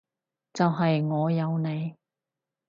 就係我有你